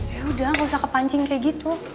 yaudah gak usah kepancing kayak gitu